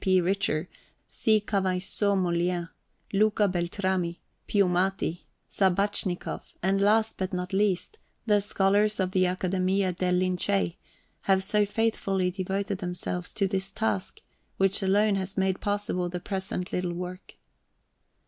P. Richter, C. Kavaisson Mollien, Luca Beltrami, Piumati, Sabachnikoff, and, last but not least, the scholars of the Academia del Lincei, have so faithfully devoted themselves to this task, which alone has made possible the present little work.